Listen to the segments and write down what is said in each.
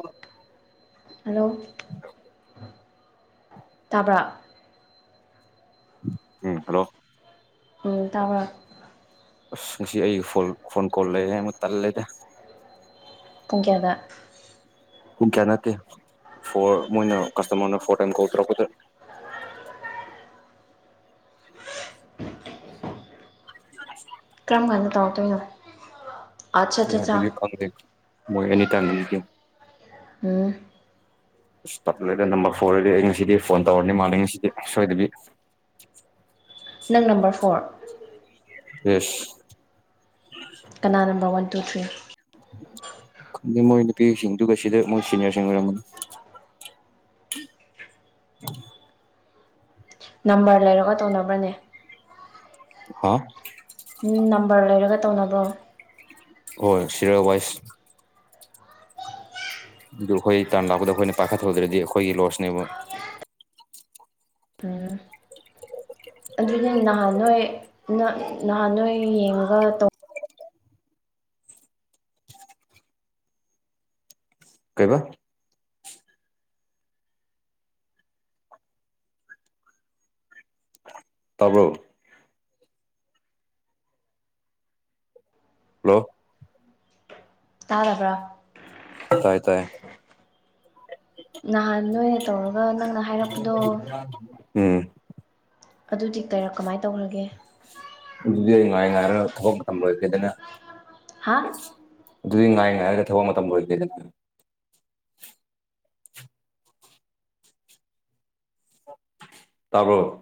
ꯑ꯫ [inaudible] ꯍꯜꯂꯣ ꯇꯥꯕ꯭ꯔꯥ꯫ ꯎꯝ ꯍꯜꯂꯣ꯫ ꯎꯝ ꯇꯥꯕ꯭ꯔꯥ꯫ ꯑꯁ ꯉꯁꯤ ꯑꯩꯒꯤ ꯐꯣꯟ ꯐꯣꯟ ꯀꯣꯜ ꯂꯩꯔꯦ ꯑꯃꯨꯛ ꯇꯜꯂꯦꯗ꯫ ꯄꯨꯡ ꯀꯌꯥꯗ꯫ ꯄꯨꯡ ꯀꯌꯥ ꯅꯠꯇꯦ ꯐꯣꯔ ꯃꯣꯏꯅ ꯀꯁꯇꯃꯔꯅ ꯐꯣꯔ ꯇꯥꯏꯝ ꯀꯣꯜ ꯇꯧꯔꯛꯄꯗ [inaudible] ꯀꯔꯝ ꯀꯥꯟꯗ ꯇꯧꯔꯛꯇꯣꯏꯅꯣ ꯑꯠꯆꯥ ꯑꯦ ꯆꯥ ꯆꯥ ꯑꯗꯨꯗꯤ ꯈꯪꯗꯦ ꯃꯣꯏ ꯑꯦꯅꯤ ꯇꯥꯏꯝꯗꯨ ꯌꯦꯟꯉꯨ ꯎꯝ ꯑꯁ ꯄꯈꯠꯂꯦ ꯅꯝꯕꯔ ꯐꯣꯔꯗꯗꯤ ꯑꯩ ꯉꯁꯤꯗꯤ ꯐꯣꯟ ꯇꯧꯔꯅꯤ ꯃꯥꯜꯂꯦ ꯉꯁꯤꯗꯤ ꯁꯣꯏꯗꯕꯤ꯫ [inaudible] ꯅꯪ ꯅꯝꯕꯔ ꯐꯣꯔ ꯌꯦꯁ ꯀꯅꯥ ꯅꯝꯕꯔ ꯋꯥꯟ ꯇꯨ ꯊ꯭ꯔꯤ ꯈꯪꯗꯦ ꯃꯣꯏ ꯅꯨꯄꯤꯁꯤꯡꯗꯨꯒ ꯁꯤꯗ ꯃꯣꯏ ꯁꯤꯅꯤꯌꯔꯁꯤꯡ ꯑꯣꯏꯔꯝꯒꯅꯤ [inaudible] ꯅꯝꯕꯔ ꯂꯩꯔꯒ ꯇꯧꯅꯕꯅꯦ ꯍꯥ ꯎꯝ ꯅꯝꯕꯔ ꯂꯩꯔꯒ ꯇꯧꯅꯕ꯭ꯔꯣ ꯍꯣꯏ ꯁꯤꯔ ꯋꯥꯏꯁ ꯑꯗꯨ ꯑꯩꯈꯣꯏ ꯇꯥꯟ ꯂꯥꯛꯄꯗ ꯑꯩꯈꯣꯏꯅ ꯄꯥꯏꯈꯠꯍꯧꯗ꯭ꯔꯗꯤ ꯑꯩꯈꯣꯏꯒꯤ ꯂꯣꯁꯅꯦꯕ ꯎꯝ ꯑꯗꯨꯅ ꯅꯍꯥꯟ ꯅꯣꯏ ꯅꯍꯥꯟ ꯅꯣꯏ ꯌꯦꯡꯕ ꯇꯧ ꯀꯩꯕ ꯇꯕꯔꯣ ꯍꯜꯂꯣ ꯇꯥꯔꯕ꯭ꯔꯥ ꯇꯥꯏ ꯇꯥꯏ ꯅꯍꯥꯟ ꯅꯣꯏꯅ ꯇꯧꯔꯒ ꯅꯪꯅ ꯍꯥꯏꯔꯛꯄ ꯎꯝ ꯑꯗꯨꯗꯤ ꯀꯔ ꯀꯃꯥꯏꯅ ꯇꯧꯔꯒꯦ ꯑꯗꯨꯗꯤ ꯑꯩ ꯉꯥꯏ ꯉꯥꯏꯔꯣ ꯊꯕꯛ ꯃꯇꯝ ꯂꯣꯏꯈꯔꯗꯅ ꯍꯥ ꯑꯗꯨꯗꯤ ꯉꯥꯏ ꯉꯥꯏꯔꯒ ꯊꯕꯛ ꯃꯇꯝ ꯂꯣꯏꯗꯦꯗꯅ ꯇꯥꯕꯔꯣ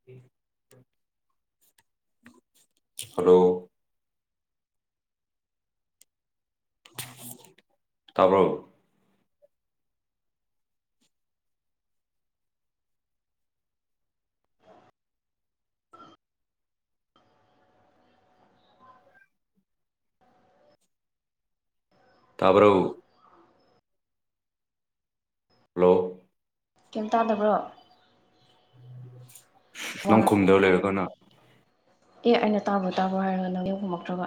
[inaudible] ꯍꯜꯂꯣ ꯇꯥꯕꯔꯣ ꯇꯥꯕꯔꯣ ꯍꯜꯂꯣ ꯀꯩꯝ ꯇꯥꯗꯕ꯭ꯔꯣ ꯅꯣꯡꯈꯨꯝꯗꯧ ꯂꯩꯔꯒꯅ ꯑꯦ ꯑꯩꯅ ꯇꯥꯕ꯭ꯔꯣ ꯇꯥꯕ꯭ꯔꯣ ꯍꯥꯏꯔꯒ ꯅ ꯌꯦꯡ ꯈꯨꯝꯃꯛꯇ꯭ꯔꯒ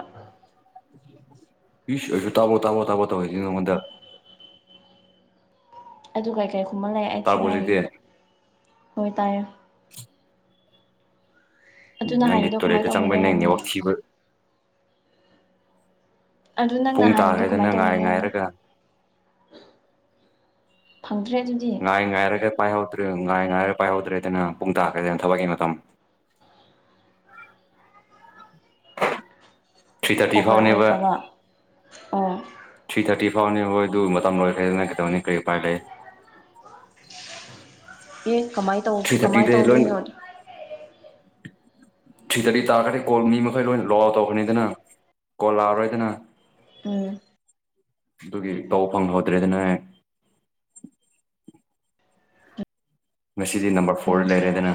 ꯌ ꯑꯩꯁꯨ ꯇꯕꯣ ꯇꯥꯕꯣ ꯇꯥꯕꯣ ꯇꯧꯋꯏꯁꯤ ꯅꯉꯣꯟꯗ ꯑꯗꯨꯒ ꯀꯩ ꯈꯨꯝꯃ ꯂꯩ ꯑꯩ ꯇꯥꯔꯕꯣ ꯊꯤꯕ ꯍꯧꯖꯤꯛꯇꯤ ꯍꯣꯏ ꯇꯥꯏ [inaudible] ꯑꯗꯨ ꯎ ꯅꯪꯒꯤ ꯅꯍꯥꯟꯒꯤꯗꯣ ꯀꯃꯥꯏꯅ ꯇꯣꯔꯦꯇ ꯇꯧꯈ꯭ꯔꯒꯦ ꯆꯪꯕꯩ ꯍꯥꯏꯕꯅꯦ ꯅꯩꯋꯥ [unintelligible] ꯑꯗꯨ ꯅꯪ ꯄꯨꯡ ꯅꯍꯥꯟꯒꯤꯗꯣ ꯇꯥꯈ꯭ꯔꯦꯗꯅ ꯀꯃꯥꯏꯅ ꯉꯥꯏ ꯇꯧꯔꯒꯦ ꯍꯥꯏꯅꯤ ꯉꯥꯏꯔꯒ ꯐꯪꯗ꯭ꯔꯦ ꯑꯗꯨꯗꯤ ꯉꯥꯏ ꯉꯥꯏꯔꯒ ꯄꯥꯏꯍꯧꯗ꯭ꯔꯦ ꯉꯥꯏ ꯉꯥꯏꯔꯒ ꯄꯥꯏꯍꯧꯗ꯭ꯔꯦꯗꯅ ꯄꯨꯡ [unintelligible] ꯊꯕꯛꯀꯤ ꯃꯇꯝ ꯊ꯭ꯔꯤ ꯊꯥꯔꯇꯤ ꯑꯣꯐꯔ ꯐꯥꯎꯅꯦꯕ ꯑꯣꯏꯈ꯭ꯔꯕ ꯑꯣ ꯊ꯭ꯔꯤ ꯊꯥꯔꯇꯤ ꯐꯥꯎꯅꯤ ꯍꯣꯏ ꯑꯗꯨ ꯃꯇꯝ ꯂꯣꯏꯈ꯭ꯔ‌ꯦꯗꯅ ꯀꯩꯗꯧꯅꯤ ꯀꯔꯤ ꯎꯄꯥꯏ ꯂꯩ ꯑ‌ꯦ ꯀꯃꯥꯏ ꯊ꯭ꯔꯤ ꯊꯥꯔꯇꯤꯗꯩ ꯂꯣꯏꯅ ꯊꯔꯤ ꯊꯥꯔꯠꯇꯤ ꯇꯥꯒ꯭ꯔꯗꯤ ꯕꯨꯜ ꯃꯤ ꯃꯈꯩ ꯂꯣꯏ ꯅꫭꯛ ꯑꯋꯥꯠ ꯇꯧꯈ꯭ꯔꯅꯤꯗꯅ ꯀꯣꯜꯂꯥꯑꯔꯣꯏꯗꯅ ꯎꯝ ꯑꯗꯨꯒꯤ ꯇꯧꯕ ꯐꯪ [unintelligible] ꯍꯧꯗ꯭ꯔꯦ ꯑꯗꯨꯅꯅꯦ ꯉꯁꯤꯗꯤ ꯅꯝꯕꯔ ꯎꯝ ꯐꯣꯔꯗ ꯂꯩꯔꯦꯗꯅ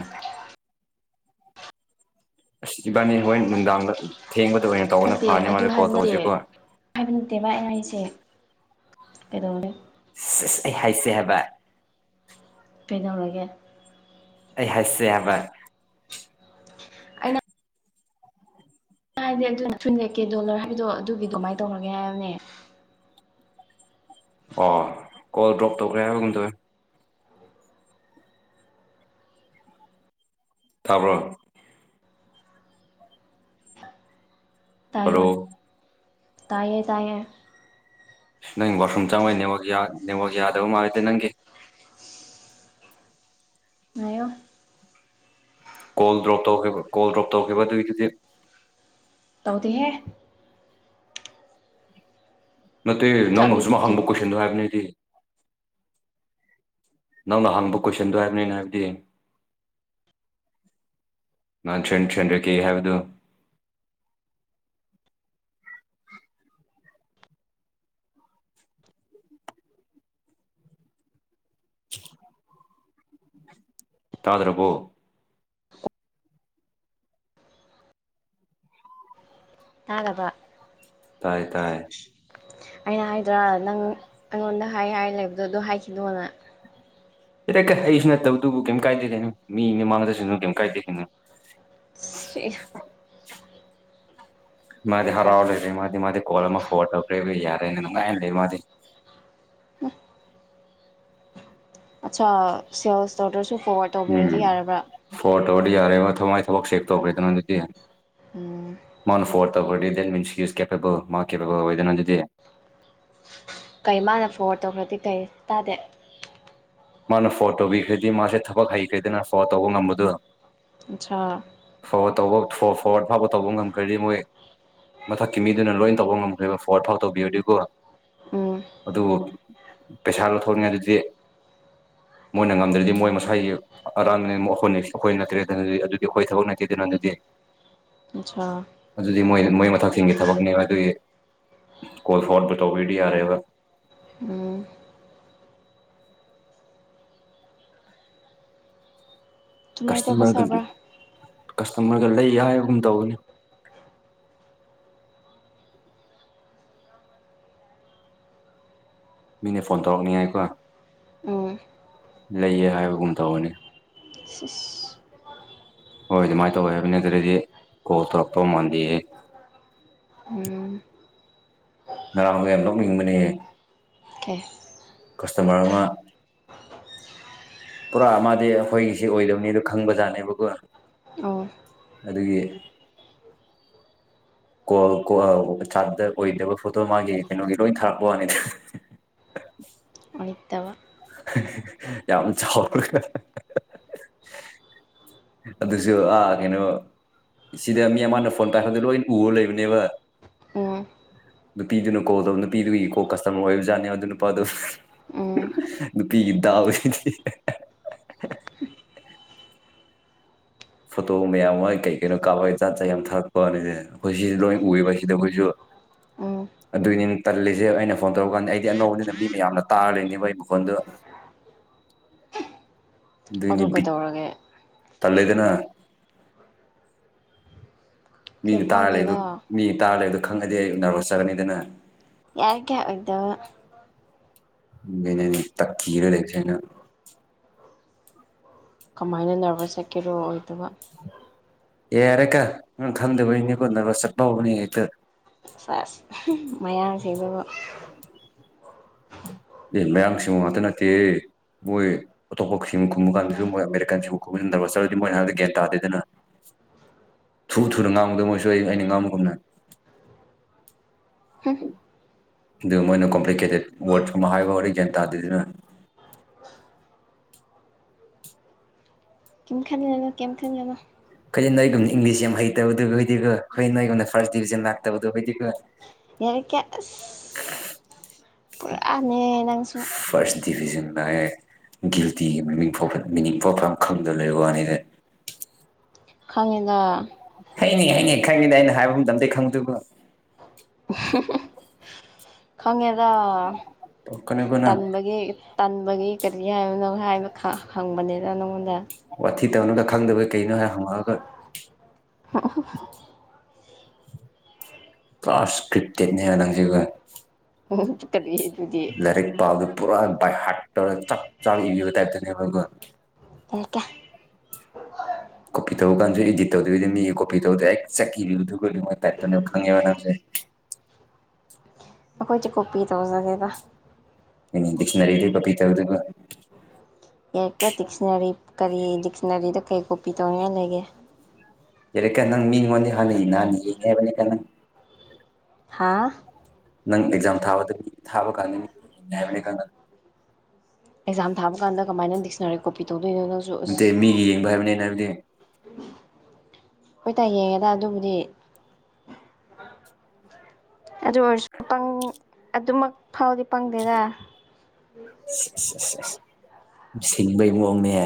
ꯑꯁ ꯏꯕꯥꯅꯤ ꯍꯣꯔ‌ꯦꯟ ꯅꯨꯡꯗꯥꯡꯗ ꯊꯦꯡꯕꯗ ꯑꯣꯏꯅ ꯇꯧꯕꯅ ꯅꯠꯇꯦ ꯐꯥꯅꯤ ꯑꯗꯨ ꯍꫭꯔ‌ꯦꯟ ꯀꯣꯜ ꯍꯥꯏꯕ ꯅꯠꯇꯦ ꯇꯧꯕꯁꯤꯀꯣ ꯍꯥꯏꯕ ꯅꯠꯇꯦꯕ ꯑꯩꯩꯅ ꯑꯩꯁꯦ ꯀꯩꯗꯧꯔꯦ ꯑꯁ ꯑꯩ ꯍꯥꯏꯁꯦ ꯍꯥꯏꯕ ꯀꯩꯗꯧꯔꯒꯦ ꯑꯩ ꯍꯥꯏꯁꯦ ꯍꯥꯏꯕ ꯑꯩꯅꯥ ꯍꯥꯏꯗꯤ ꯑꯗꯨꯅ ꯊꯨꯟ ꯂꯛꯀꯦ [unintelligible] ꯗꯣꯂꯔ ꯍꯥꯏꯕꯗꯣ ꯑꯗꯨꯒꯤ ꯀꯃꯥꯏꯅ ꯇꯧꯔꯒꯦ ꯍꯥꯏꯕꯅꯦ ꯑꯣ ꯀꯣꯜ ꯗ꯭ꯔꯣꯞ ꯇꯧꯈ꯭ꯔꯦ ꯍꯥꯏꯕꯒꯝ ꯇꯧꯋꯤ ꯇꯥꯕ꯭ꯔꯣ ꯍꯜꯂꯣ ꯇꯥꯏꯌꯦ ꯇꯥꯏꯌꯦ ꯇꯥꯏꯌꯦ ꯅꯪ ꯋꯥꯁꯔꯨꯝ ꯆꯪꯕꯩ ꯅ‌ꯦꯠꯋꯥꯛ ꯌꯥ ꯅ‌ꯦꯠꯋꯥꯛ ꯌꯥꯗꯕ ꯃꯥꯜꯂꯤꯗ ꯅꯪꯒꯤ ꯉꯥꯏꯌ‌ꯦ ꯀꯣꯜ ꯗ꯭ꯔꯣꯞ ꯇꯧꯈꯤꯕ ꯀꯣꯜ ꯗ꯭ꯔꯣꯞ ꯇꯧꯈꯤꯕ ꯑꯗꯨꯒꯤꯗꯨꯗꯤ ꯇꯧꯗꯤꯍꯦ ꯅꯠꯇꯦ ꯅꯪꯅ ꯑꯁꯨꯝ ꯆꯠꯂꯤꯗꯨꯗꯤ ꯍꯪꯕ ꯀꯣꯏꯁꯟꯗꯣ ꯍꯥꯏꯕꯅꯤ ꯑꯩꯗꯤ ꯅꯪꯅ ꯍꯪꯕ ꯀꯣꯏꯁꯟꯗꯣ ꯍꯥꯏꯕꯅꯤ ꯑꯩꯅꯥ ꯍꯥꯏꯕꯗꯤ ꯂꯟꯁꯟ [unintelligible] ꯁꯟꯖꯀꯦ [unintelligible] ꯍꯥꯏꯕꯗꯨ [unintelligible] ꯇꯥꯗ꯭ꯔꯥꯕꯣ ꯇꯥꯗꯕꯥ ꯇꯥꯏꯌ‌ꯦ ꯇꯥꯏꯌ‌ꯦ ꯑꯩꯅ ꯍꯥꯏꯗ꯭ꯔꯥ ꯅꯪ ꯑꯩꯉꯣꯟꯗ ꯍꯥꯏ ꯍꯥꯏ ꯂꯩꯕꯗꯣ ꯑꯗꯨ ꯍꯥꯏꯈꯤꯅꫭꯅ ꯑꯦ ꯀ [unintelligible] ꯑꯩꯁꯨ ꯅꯠꯇꯕꯗꯨꯕꯨ ꯀꯩꯝ ꯀꯥꯏꯗꯦꯅꯣ ꯃꯤꯅꯦ ꯃꯃꯗꯁꯨꯅ ꯀꯩꯝ ꯀꯥꯏꯗꯦ ꯀꯩꯅꯣ ꯁꯤ [unintelligible] ꯃꯥꯗꯤ ꯍꯔꯥꯎ ꯑꯣꯏꯗꯕ ꯂꯩꯔ‌ꯦ ꯃꯥꯗꯤ ꯃꯥꯗꯤ ꯀꯣꯜ ꯑꯃ ꯐꯣꯔ ꯋꯥꯠ ꯇꯧꯈ꯭ꯔꯦꯕ ꯌꯥꯔꯦꯅ ꯅꯨꯡꯉꯥꯏꯅ ꯂꯩ ꯃꯥꯗꯤ ꯑꯠꯆꯥ ꯁꯦꯜꯁꯇꯧꯗꯔꯁꯨ ꯐꯣꯔꯋꯥꯠꯗ ꯇꯧꯕꯤꯔꯗꯤ ꯎꯝ ꯌꯥꯔꯕ꯭ꯔꯥ ꯐꯣꯔ ꯋꯥꯠ ꯇꯧꯔꯗꯤ ꯌꯥꯔꯦ ꯃꯥꯏ ꯊꯕꯛ ꯆꯦꯛ ꯇꯧꯈ꯭ꯔꯦꯗꯅꯪ ꯑꯗꯨꯗꯤ ꯎꯝ ꯃꯥꯅ ꯐꯣꯔꯠ [unintelligible] ꯇꯧꯕꯔꯗꯤ ꯗꯦꯠ ꯃꯤꯟꯁ ꯀꯦꯦꯕꯜ ꯃꯥ ꯀꯦꯄꯦꯕꯜ ꯑꯣꯏꯗꯅ ꯑꯗꯨꯗꯤ ꯀꯩ ꯃꯥꯅ ꯐꯣꯔꯋꯥꯔꯗ ꯇꯧꯈ꯭ꯔꯗꯤ ꯀꯩ ꯇꯥꯗꯦ ꯃꯥꯅ ꯐꯣꯔ ꯋꯥꯔꯠ ꯇꯧꯕꯤꯈ꯭ꯔꯗꯤ ꯃꯥꯁꯦ ꯊꯕꯛ ꯍꯩꯈ꯭ꯔ‌ꯦꯗꯅ ꯐꯣꯔ ꯋꯥꯔꯠ ꯇꯧꯕ ꯉꯝꯕꯗꯨ ꯑꯆꯥꯥ ꯐꯣꯔꯋꯥꯗ ꯇꯧꯕ ꯐꯣꯔꯋꯥꯔꯗ ꯐꯥꯎꯕ ꯇꯧꯕ ꯉꯝꯈ꯭ꯔꯔꯤ ꯃꯣꯏ ꯃꯊꯛꯀꯤ ꯃꯤꯗꯨꯅ ꯂꯣꯏ ꯇꯧꯕ ꯉꯝꯈ꯭ꯔꯦꯕ ꯐꯣꯔꯋꯥ ꯐꯥꯎ ꯇꯧꯕꯤꯔꯗꯤꯀꯣ ꯎꯝ ꯑꯗꯨꯕꯨ ꯄꯩꯁꯥ ꯂꯧꯊꯣꯛꯉꯦ [unintelligible] ꯃꯣꯏꯅ ꯉꯝꯗ꯭ꯔꯗꯤ ꯃꯣꯏ ꯃꯁꯥꯏꯒꯤ ꯑꯔꯥꯟꯕꯅꯤ ꯑꯩꯈꯣꯏ ꯅꯠꯇ꯭ꯔꯦꯗꯤ [unintelligible] ꯑꯗꯨꯗꯤ ꯑꯩꯈꯣꯏ ꯊꯕꯛ ꯅꯠꯇꯦꯗ ꯅ ꯑꯗꯨꯗꯤ ꯑꯆꯥꯥ ꯑꯗꯨꯗꯤ ꯃꯣꯏ ꯃꯣꯏ ꯃꯊꯛꯁꯤꯡꯒꯤꯒꯤ ꯊꯕꯛꯅꯦꯕ ꯑꯗꯨꯒꯤ ꯀꯣꯜ ꯐꯣꯔꯋꯥꯕꯨ ꯇꯧꯕꯤꯔꯗꯤ ꯌꯥꯔꯦꯕ ꯎꯝ ꯑꯗꯨꯃꯥꯏꯅ ꯇꯧꯕ ꯀꯁꯇꯃꯔꯒ ꯁꯥꯕ꯭ꯔꯥ ꯀꯁꯇꯃꯔꯒ ꯂꯩ ꯍꯥꯏꯕꯒꯨꯝ ꯇꯧꯕꯅꯤ ꯃꯤꯅ ꯐꯣꯟ ꯇꯧꯔꯛꯅꯤꯉꯥꯏꯀꯣ ꯎꯝ ꯂꯩꯌꯦ ꯍꯥꯏꯕꯒꯨꯝ ꯇꯧꯕꯅꯤ [unintelligible] ꯍꯣꯏ ꯑꯗꯨꯃꯥꯏꯅ ꯇꯧꯋꯦ ꯍꯥꯢꯕꯅꯦ ꯑꯗꯨꯗꯩꯗꯤ ꯀꯣꯜ ꯇꯧꯔꯛꯄꯥ ꯃꯥꯟꯗꯦꯌꯦ ꯎꯝ ꯉꯔꯥꯡꯖꯦ ꯑꯗꯨꯝ ꯍꯤꯡꯕꯅꯦꯌꯦ ꯑꯣ ꯀꯦ ꯀꯁꯇꯥꯃꯥꯔ ꯑꯃ ꯄꯨꯔꯥ ꯑꯃꯗꯤ ꯑꯩꯈꯣꯏꯒꯤ ꯑꯣꯏꯗꯕꯅꯤ ꯑꯗꯨ ꯈꯪꯕꯖꯥꯠꯅꯦꯕꯀꯣ ꯑꯣ ꯑꯗꯨꯒꯤ ꯀꯣꯜ ꯆꯥꯠꯇꯣ ꯑꯣꯏꯗꯕ ꯐꯣꯇꯣ ꯃꯥꯒꯤ ꯀꯩꯅꯣꯒꯤ ꯂꯣꯏ ꯊꯥꯔꯛꯄ ꯋꯥꯅꯤꯗꯥ ꯑꯣꯏꯇꯥꯕ ꯌꯥꯝ ꯆꯥꯎꯔꯒ ꯑꯗꯨꯁꯨ ꯑꯥ ꯀꯩꯅꯣ ꯁꯤꯗ ꯃꯤ ꯑꯃꯅ ꯐꯣꯟ ꯐꯥꯢꯈꯠꯄꯥꯗ ꯂꯣꯏꯅ ꯎꯔ ꯂꯩꯕꯅꯦꯕ ꯑꯣ ꯅꯨꯄꯤꯗꯨꯅ ꯀꯣꯜ ꯇꯧꯕ ꯅꯨꯄꯤꯗꯨꯒꯤ ꯀꯣ ꯀꯁꯇꯥꯃꯥꯔ ꯑꯣꯏꯕꯖꯥꯠꯅꯦꯕ ꯑꯗꯨ ꯅꯨꯄꯥꯗꯨ ꯑꯣ ꯅꯨꯄꯤꯒꯤ ꯗꯥꯎꯖꯤꯗꯤ ꯐꯣꯇꯣ ꯃꯌꯥꯝ ꯃꯣꯏ ꯀꯩ ꯀꯩꯅꯣ ꯀꯥꯞꯄꯒꯒꯤ ꯖꯥꯠ ꯖꯥꯠ ꯌꯥꯝ ꯊꯥꯔꯛꯄꯅꯤ ꯑꯩꯈꯣꯏ ꯁꯤ ꯂꯣꯏ ꯎꯋꯦꯕ ꯁꯤꯗ ꯑꯩꯈꯣꯏꯁꯨ [unintelligible] ꯎꯝ ꯑꯗꯨꯒꯤꯅꯤ ꯇꯜꯂꯤꯁꯦ ꯑꯩꯅ ꯐꯣꯟ ꯇꯧꯔꯀꯥꯟꯗ ꯑꯩꯗꯤ ꯑꯅꯧꯕꯅꯤꯅ ꯃꯤ ꯃꯌꯥꯝꯅ ꯇꯥꯔ ꯂꯩꯔꯤꯅꯦꯕ ꯑꯩ ꯐꯣꯟꯗꯨ ꯑꯗꯨꯏꯅꯦ ꯑꯗꯨ ꯕꯤ ꯀꯩꯗꯧꯔꯒꯦ ꯇꯜꯂꯦꯗꯥꯅ ꯀꯩꯝ ꯃꯤꯅ ꯇꯥꯔ ꯀꯥꯏꯗꯦꯗ ꯂꯩꯕꯗ ꯃꯤꯅ ꯇꯥꯔ ꯂꯩꯕꯗꯨ ꯈꯪꯉꯗꯤ ꯑꯩ ꯅꯥꯔꯣ ꯆꯠꯔꯅꯤꯗꯅ ꯌꯥꯔ ꯀ ꯑꯣꯏꯗꯕ ꯇꯛ ꯀꯤꯔꯥ ꯂꯩꯊꯣꯛꯑꯥ ꯂꯩꯌꯦ ꯅꯪ ꯀꯃꯥꯏꯅ ꯅꯔꯕꯁ ꯆꯠꯈꯤꯕ ꯑꯣꯏꯗꯣꯢꯔꯣ ꯌꯥꯔꯦꯀꯣ ꯅꯪ ꯈꯪꯗꯕꯩꯅꯤ ꯅꯔꯕꯁ ꯆꯠꯄ ꯍꯧꯕꯅꯤ ꯍꯦꯛꯇ ꯁꯦꯁ ꯃꯌꯥꯡꯁꯤꯡꯗꯨꯒ ꯑꯦ ꯃꯌꯥꯝꯁꯤꯕꯨ ꯉꯥꯛꯇ ꯅꯠꯇꯦ ꯃꯣꯏ ꯑꯇꯣꯞꯄꯁꯤꯡ ꯈꯨꯝꯕ ꯀꯥꯟꯗꯁꯨ ꯃꯣꯏ ꯑꯃꯦꯔꯤꯀꯥꯟꯁꯤꯡꯕꯨ ꯈꯨꯝꯍꯟꯗꯕ ꯆꯠꯂꯗꯤ ꯃꯣꯏꯍꯅ ꯒꯌꯥꯟ ꯇꯥꯗꯦꯅ ꯊꯨ ꯊꯨꯅ ꯉꯥꯡꯕꯗꯕ ꯃꯣꯏꯁꯨ ꯑꯩ ꯑꯩꯅ ꯉꯥꯡꯕꯒꯨꯝꯅ ꯑꯗꯨꯒ ꯃꯣꯏꯅ ꯀꯣꯝꯄ꯭ꯂꯤꯀꯦꯇꯦꯠ ꯋꯥꯔꯠ ꯀꯨꯝꯕ ꯍꯥꯏꯕ ꯍꯧꯔꯛ ꯒ꯭ꯌꯥꯟ ꯇꯥꯗꯦꯅ ꯀꯩꯝ ꯈꯟꯒꯅꯨ ꯀꯩꯝ ꯈꯟꯒꯅꯨ ꯑꯩꯈꯣꯏ ꯅꯣꯏꯒꯨꯝꯕ ꯢꯪꯂꯤꯁ ꯌꯥꯝ ꯍꯩꯇꯕꯗꯨ ꯍꯗꯤꯒ ꯑꯩꯈꯣꯏ ꯅꯣꯏꯒꯨꯝꯅ ꯐꯥꯔꯁ ꯗꯤꯕꯤꯖꯟ ꯂꯥꯛꯇꯕꯗꯨ ꯈꯣꯢꯗꯤꯀꯣ ꯌꯥꯔꯦꯀꯣ ꯑꯁ ꯄꯨꯔꯥꯅꯦ ꯅꯪꯁꯨ ꯐꯥꯔꯁ ꯗꯤꯕꯤꯖꯟ ꯒꯥꯏ ꯒꯤꯜꯇꯤꯒꯤ ꯃꯃꯤꯡ ꯐꯥꯎꯕ ꯃꯤꯅꯤ ꯄꯥꯎ ꯈꯪꯗꯅ ꯂꯩꯕ ꯋꯥꯅꯤꯗ ꯈꯪꯉꯤꯗꯥ ꯍꯩꯅꯤ ꯍꯩꯅꯤ ꯈꯪꯉꯤꯗ ꯑꯩꯅ ꯍꯥꯏꯕ ꯃꯇꯝꯗꯩ ꯈꯪꯗꯥꯕꯗꯨꯕꯨ ꯈꯪꯉꯦꯗꯥ ꯀꯩꯅꯣꯒꯣ ꯅꯪ ꯇꯟꯕꯒꯤ ꯇꯟꯕꯒꯤ ꯀꯔꯤ ꯍꯥꯏꯕꯅꯣ ꯍꯥꯏꯕ ꯈꯪꯕꯅꯤꯅ ꯅꯪꯉꯣꯟꯗ ꯋꯥꯊꯤ ꯇꯧꯅꯨꯗ ꯈꯪꯗꯕꯩ ꯀꯩꯅꯣ ꯍꯥꯏ ꯍꯪꯉꯛꯑꯒ ꯀ꯭ꯂꯥꯁ ꯀ꯭ꯔꯤꯞꯇꯦꯠꯅꯦ [unintelligible] [unintelligible] ꯀꯔꯤ ꯑꯗꯨꯗꯤ ꯂꯥꯏꯔꯤꯛ ꯄꯥꯗꯨ ꯄꯨꯔꯥ ꯕꯥꯏ ꯍꯥꯔꯠ ꯇꯧꯔꯒ ꯆꯞ ꯆꯥꯕ ꯏꯕꯤꯕ ꯇꯥꯏꯞꯇꯅꯦꯕ ꯑꯩꯀꯣ [inaudible] [unintelligible] [unintelligible] ꯏꯗꯤꯠ ꯇꯧꯗꯕꯤꯗ ꯃꯤꯒꯤ ꯀꯣꯄꯤ ꯇꯧꯗꯦ ꯑꯦꯆꯠ [unintelligible] ꯇꯥꯏꯞ ꯇꯅꯦ ꯈꯪꯉꯦꯕ ꯅꯝꯁꯦ ꯑꯩꯈꯣꯏ ꯆꯀꯣꯄꯤ ꯇꯧꯖꯦꯗ [unintelligible] ꯗꯤꯛꯁꯅꯔꯤꯗꯤ ꯄꯄꯤ [unintelligible] ꯌꯥꯏ ꯀꯦ ꯗꯤꯛꯁꯟꯅꯔꯤ ꯀꯔꯤ ꯗꯤꯛꯁꯅꯔꯤꯗ ꯀꯩ ꯀꯣꯄꯤ ꯇꯧꯅꯤꯡꯉꯥꯏ ꯂꯩꯒꯦ [unintelligible] ꯅꯪ ꯃꯤꯉꯣꯟꯗꯤ ꯍꯥꯟꯅ ꯅꯍꯥꯟ ꯌꯦꯡꯉꯦ ꯍꯥꯏꯕꯅꯤꯀ ꯅꯪ ꯍꯥꯥ ꯅꯪ ꯑꯦꯛꯖꯥꯝ ꯊꯥꯕꯗ ꯊꯥꯕ ꯀꯥꯟꯗꯅꯤ ꯌꯦꯡꯅꯦ ꯍꯥꯏꯕ [unintelligible] ꯑꯦꯛꯖꯥꯝ ꯊꯥꯕ ꯀꯟꯗ ꯀꯃꯥꯏꯅ ꯗꯤꯛꯁꯅꯔꯤ ꯀꯣꯄꯤ ꯇꯧꯕꯣꯏꯅꯣ ꯅꯠꯇꯦ ꯃꯤꯒꯤ ꯌꯦꯡꯕ ꯍꯥꯏꯕꯅꯤ ꯍꯥꯏꯕꯗꯤ ꯍꯣꯏꯇꯥ ꯌꯦꯡꯉꯦꯗ ꯑꯗꯨꯕꯨꯗꯤ ꯑꯗꯨ ꯑꯣꯏꯔꯁꯨ [unintelligible] ꯑꯗꯨꯃꯛ ꯐꯥꯎꯗꯤ ꯄꯪꯗꯦꯔ [unintelligible] ꯁꯤꯡꯕꯩ ꯃꯑꯣꯡꯅꯦ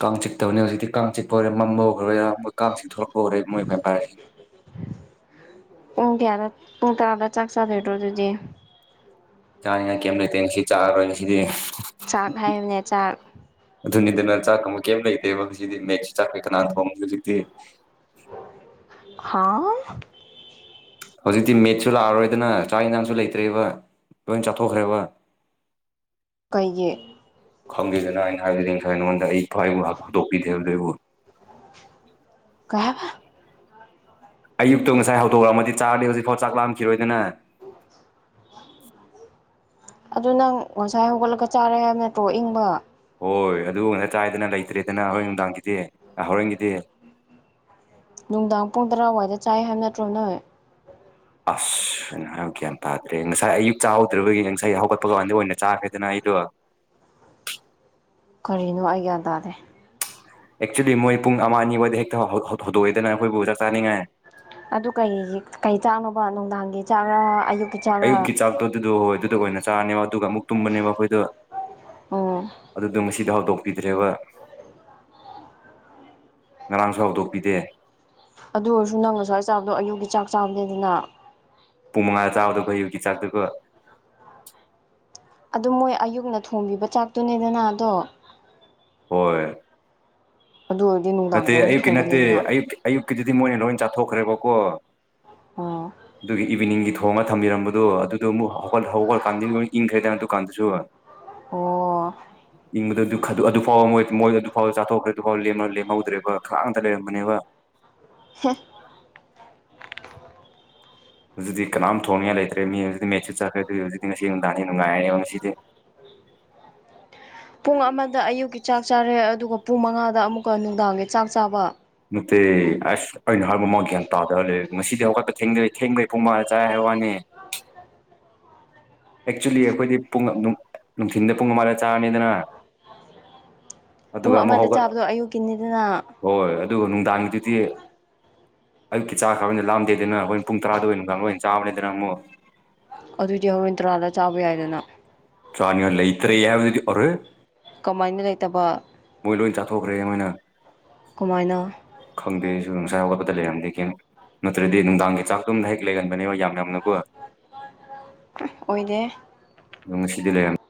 ꯀꯥꯡ ꯆꯤꯛꯇꯕꯅꯦ ꯍꯧꯖꯤꯛꯇꯤ ꯀꯥꯡ ꯆꯤꯛꯄ ꯑꯣꯏꯔꯦ ꯃꯝꯃꯧꯈ꯭ꯔꯣꯏꯔꯥ ꯃꯣꯏ ꯀꯥꯡ ꯆꯤꯛ ꯊꯣꯛꯂꯛꯄ ꯑꯣꯏꯔꯦ ꯃꯣꯏ ꯕꯦꯝꯌꯔꯁꯤꯡ ꯄꯨꯡ ꯀꯌꯥꯗ ꯄꯨꯡꯇꯔꯥ ꯆꯥꯛ ꯆꯥꯗꯣꯏꯔꯣ ꯑꯗꯨꯗꯤ ꯆꯥꯅꯤꯉꯥꯏ ꯀꯩꯝ ꯂꯩꯇꯦ ꯉꯥꯁꯤ ꯆꯥꯔꯔꯣꯏ ꯉꯁꯤ ꯆꯥꯛ ꯍꯥꯏꯕꯅꯦ ꯆꯥꯛ ꯑꯗꯨꯅꯤꯗꯅ ꯆꯥꯛꯀꯣꯝꯕ ꯀꯩꯝ ꯂꯩꯇꯦꯕ ꯍꯧꯖꯤꯛꯇꯤ ꯃꯦꯁ ꯆꯥꯛꯄꯩ ꯀꯅꯥꯅ ꯊꯣꯡ ꯍꯧꯖꯤꯛꯇꯤ ꯍꯥꯥꯎ ꯍꯧꯖꯤꯛꯇꯤ ꯃꯦꯠꯁꯨ ꯂꯥꯛꯑꯔꯣꯏꯗꯅ ꯆꯥꯛ ꯏꯟꯖꯥꯡꯁꯨ ꯂꯩꯇ꯭ꯔꯦꯕ ꯂꯣꯏ ꯆꯥꯊꯣꯛꯈ꯭ꯔꯦꯕ [inaudible] ꯀꯩꯒꯤ ꯈꯪꯈꯗꯦꯗꯅ ꯑꯩꯅ ꯍꯥꯏꯕꯗꯤ ꯉꯁꯥꯏ ꯅꯉꯣꯟꯗ ꯑꯩ ꯄꯥꯏꯕꯣ ꯈꯨꯗꯣꯄ ꯄꯤꯗꯦ [unintelligible] [unintelligible] ꯑꯌꯨꯛꯇꯣ ꯉꯁꯥꯏ ꯍꯧꯗꯣꯛꯔꯑꯝꯃꯗꯤ ꯆꯥꯔꯗꯤ ꯍꯧꯖꯤꯛꯐꯥꯎ ꯆꯥꯛ ꯂꯥꯝꯈꯤꯔꯣꯏꯗꯅ ꯑꯗꯨ ꯅꯪ ꯉꯁꯥꯏ ꯍꯧꯒꯠꯂꯒ ꯆꯥꯔꯦ ꯍꯥꯏꯕ ꯅꯇ꯭ꯔꯣ ꯏꯪꯕ ꯍꯣꯏ ꯑꯗꯨ ꯉꯠ ꯆꯥꯏꯌꯦꯗꯅ ꯂꯩꯇ꯭ꯔꯦꯗꯅ ꯍꯣꯔꯦꯟ ꯅꯨꯡꯗꯥꯡꯒꯤꯗꯤ ꯑ ꯍꯣꯔꯦꯟꯒꯤꯗꯤ ꯅꯨꯡꯗꯥꯡ ꯄꯨꯡ ꯇꯔꯥꯋꯥꯏꯗ ꯆꯥꯏ ꯍꯥꯏꯕ ꯅꯠꯇ꯭ꯔꯣ ꯅꯣꯏ ꯑꯁ ꯑꯩꯅ ꯍꯥꯏꯕ ꯒ꯭ꯌꯥꯟ ꯇꯥꯗ꯭ꯔꯦ ꯉꯁꯥꯏ ꯑꯌꯨꯛ ꯆꯥꯍꯧꯗ꯭ꯔꯕꯒꯤ ꯉꯁꯥꯏ ꯍꯧꯒꯠꯄ ꯀꯥꯟꯗ ꯑꯣꯏꯅ ꯆꯥꯒ꯭ꯔꯦꯗꯅ ꯑꯩꯗꯨ ꯀꯔꯤꯅꯣ ꯑꯩ ꯒ꯭ꯌꯥꯟ ꯇꯥꯗꯦ ꯑꯦꯛꯆ꯭ꯋꯦꯂꯤ ꯃꯣꯏ ꯄꯨꯡ ꯑꯃꯥ ꯑꯅꯤꯋꯥꯏꯗ ꯍꯦꯛꯇ ꯍꯧ ꯍꯧ ꯍꯧꯗꯣꯛꯏꯗꯅ ꯑꯩꯈꯣꯏꯕꯨ ꯆꯥꯛ ꯆꯥꯅꯤꯡꯉꯥꯏ ꯑꯗꯨ ꯀꯩꯒꯤ ꯀꯩ ꯆꯥꯛꯅꯣꯕ ꯅꯨꯡꯗꯥꯡꯒꯤ ꯆꯥꯛꯔꯥ ꯑꯌꯨꯛ ꯑꯌꯨꯛꯀꯤ ꯆꯥꯛꯇꯣ ꯑꯗꯨꯗꯣ ꯑꯗꯨꯗꯣ ꯑꯣꯏꯅ ꯆꯥꯅꯦꯕ ꯑꯗꯨꯒ ꯑꯃꯨꯛ ꯇꯨꯝꯃꯅꯦꯕ ꯑꯈꯣꯏꯗꯨ ꯑꯣ ꯑꯗꯨꯗꯣ ꯃꯁꯤꯗ ꯍꯧꯗꯣꯛꯄꯤꯗ꯭ꯔꯦꯕ ꯉꯔꯥꯡꯁꯨ ꯍꯧꯗꯣꯛꯄꯤꯗꯦ ꯑꯗꯨꯑꯣꯏꯔꯁꯨ ꯅꯪ ꯉꯁꯥꯏ ꯆꯥꯕꯗꯣ ꯑꯌꯨꯛꯒꯤ ꯆꯥꯛ ꯆꯥꯕꯅꯦꯗꯅ ꯄꯨꯡ ꯃꯉꯥꯗ ꯆꯥꯕꯗꯨ ꯈꯣꯏ ꯑꯌꯨꯛꯀꯤ ꯆꯥꯛꯇꯨ ꯀꯣ ꯑꯗꯣ ꯃꯣꯏ ꯑꯌꯨꯛꯅ ꯊꯣꯡꯕꯤꯕ ꯆꯥꯛꯇꯨꯅꯦꯗꯅ ꯑꯗꯣ ꯍꯣꯏ ꯑꯗꯨ ꯑꯣꯏꯗꯤ ꯅꯨ ꯅꯠꯇꯦ ꯑꯌꯨꯛꯀꯤ ꯅꯠꯇꯦ ꯑꯌꯨꯛꯀꯤ ꯑꯌꯨꯛꯀꯤꯗꯨꯗꯤ ꯃꯣꯏꯅ ꯂꯣꯏ ꯆꯥꯊꯣꯛꯈ꯭ꯔꯦꯕꯀꯣ ꯑꯣ ꯑꯗꯨꯒꯤ ꯏꯚꯤꯅꯤꯡꯒꯤ ꯊꯣꯡꯉ ꯊꯝꯕꯤꯔꯝꯕꯗꯨ ꯑꯗꯨꯗꯨꯃꯨꯛ ꯍꯧꯒꯠ ꯍꯧꯒꯠꯀꯥꯟꯗꯤ ꯂꯣꯏ ꯏꯪꯈ꯭ꯔꯦꯗꯅ ꯑꯗꯨꯀꯥꯟꯗꯨꯁꯨ ꯑꯣ ꯏꯪꯕꯗ ꯑꯗꯨ ꯈꯠ ꯑꯗꯨ ꯐꯥꯎꯕ ꯃꯣꯏ ꯃꯣꯏ ꯑꯗꯨ ꯐꯥꯎ ꯆꯥꯊꯣꯛꯈ꯭ꯔꯦ ꯑꯗꯨ ꯐꯥꯎ ꯂꯦꯝꯃ ꯂꯦꯝ ꯉꯧꯗ꯭ꯔꯦꯕ ꯈꯥꯡꯗ ꯂꯩꯔꯝꯕꯅꯦꯕ ꯍꯦ ꯑꯗꯨꯗꯤ ꯀꯅꯥꯝ ꯊꯣꯡꯅꯤꯉꯥꯏ ꯂꯩꯇ꯭ꯔꯦ ꯃꯤ ꯍꯧꯖꯤꯇꯤ ꯃꯦꯠꯁꯨ ꯆꯠꯈ꯭ꯔꯦ ꯑꯗꯨ ꯍꯧꯖꯤꯛꯇꯤ ꯉꯁꯤ ꯅꯨꯡꯗꯥꯡꯗꯤ ꯅꯨꯡꯉꯥꯏꯔꯦꯕ ꯉꯁꯤꯗꯤ ꯄꯨꯡ ꯑꯃꯗ ꯑꯌꯨꯛꯀꯤ ꯆꯥꯛ ꯆꯥꯔꯦ ꯑꯗꯨꯒ ꯄꯨꯡ ꯃꯉꯥꯗ ꯑꯃꯨꯛꯀ ꯅꯨꯡꯗꯥꯡꯒꯤ ꯆꯥꯛ ꯆꯥꯕ ꯅꯠꯇꯦ ꯑꯁ ꯑꯩꯅ ꯍꯥꯏꯕ ꯃꯣꯏ ꯒ꯭ꯌꯥꯟ ꯇꯥꯗ ꯂꯩꯔꯦ ꯉꯁꯤꯗꯤ ꯍꯧꯒꯠꯄ ꯊꯦꯡꯗꯩ ꯊꯦꯡꯅꯩ ꯄꯨꯡ ꯃꯉꯥꯗ ꯆꯥꯏ ꯍꯥꯏ ꯋꯥꯅꯤ ꯑꯦꯛꯆ꯭ꯋꯦꯜꯂꯤ ꯑꯩꯈꯣꯏꯗꯤ ꯄꯨꯡ ꯅꯨꯡ ꯅꯨꯡꯊꯤꯟꯗ ꯄꯨꯡ ꯑꯃꯥꯗ ꯆꯥꯔꯅꯤꯗꯅ ꯄꯨꯡ ꯑꯗꯨꯒ ꯑꯃꯨꯛ ꯑꯃꯗ ꯍꯧꯒꯠ ꯆꯥꯕꯗꯣ ꯑꯌꯨꯛꯀꯤꯅꯤꯗꯅ ꯍꯣꯏ ꯑꯗꯨꯒ ꯅꯨꯡꯗꯥꯡꯒꯤꯗꯨꯗꯤ ꯑꯌꯨꯛꯀꯤ ꯆꯈ꯭ꯔꯕꯅꯤꯅ ꯂꯥꯑꯗꯦꯗꯅ ꯍ꯭ꯋꯦꯟ ꯄꯨꯡ ꯇꯔꯥꯗ ꯑꯣꯏꯅ ꯅꯨꯗꯥꯡ ꯂꯣꯏꯅ ꯆꯥꯕꯅꯦꯗꯅ ꯑꯃꯨꯛ ꯑꯗꯨꯗꯤ ꯍ꯭ꯔꯦꯟ ꯇ꯭ꯔꯥꯗ ꯆꯥꯕ ꯌꯥꯏꯗꯅ ꯆꯥꯅꯤꯉꯥꯏ ꯂꯩꯇ꯭ꯔꯦ ꯍꯥꯏꯕꯗꯨꯗꯤ ꯑꯔꯦ ꯀꯃꯥꯏꯅ ꯂꯩꯇꯕ ꯃꯣꯏ ꯂꯣꯏ ꯆꯥꯊꯣꯛꯈ꯭ꯔꯦ ꯃꯣꯏꯅ ꯀꯃꯥꯏꯅ ꯈꯪꯗꯦ ꯑꯩꯁꯨ ꯉꯁꯥꯏ ꯍꯒꯠꯄꯗ ꯂꯩꯔꯝꯗꯦ ꯀꯩꯝ ꯅꯠꯇ꯭ꯔꯗꯤ ꯅꯨꯡꯗꯥꯡꯒꯤ ꯆꯥꯛꯇꯨꯝ ꯍꯦꯛ ꯂꯩꯒꯟꯕꯅꯦꯕ ꯌꯥꯝ ꯌꯥꯝꯅꯀꯣ ꯎꯝ ꯑꯣꯏꯗꯦ ꯗꯣ ꯉꯁꯤꯗꯤ ꯂꯩꯔꯝ